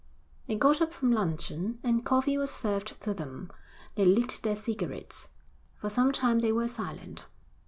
They got up from luncheon, and coffee was served to them. They lit their cigarettes. For some time they were silent.